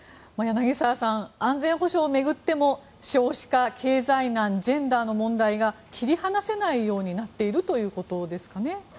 柳澤さん、安全保障を巡っても少子化、経済難ジェンダーの問題が切り離せないようになっているということですかね。